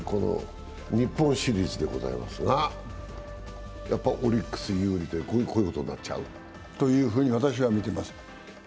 日本シリーズでございますが、オリックス有利ということになっちゃう？というふうに私は見ています。